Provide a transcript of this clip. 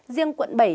riêng quận bảy